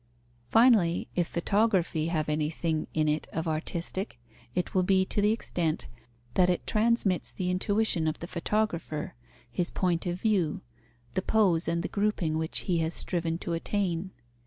Finally, if photography have anything in it of artistic, it will be to the extent that it transmits the intuition of the photographer, his point of view, the pose and the grouping which he has striven to attain.